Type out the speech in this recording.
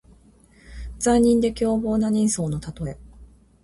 残忍で凶暴な人相のたとえ。